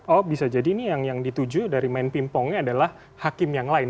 oh bisa jadi ini yang dituju dari main pimpongnya adalah hakim yang lain